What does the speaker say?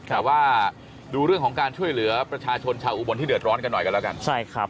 แต่ว่าดูเรื่องของการช่วยเหลือประชาชนชาวอุบลที่เดือดร้อนกันหน่อยกันแล้วกัน